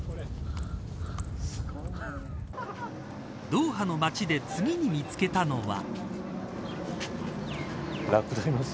ドーハの街で次に見つけたのは。